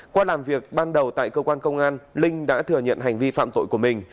qua làm việc ban đầu tại cơ quan công an linh đã thừa nhận hành vi phạm tội của mình